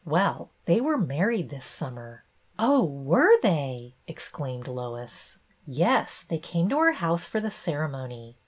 Well, they were married this summer." " Oh, were they !" exclaimed Lois. " Yes, they came to our house for the cere mony.